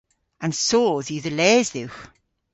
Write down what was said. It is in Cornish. An soodh yw dhe les dhywgh.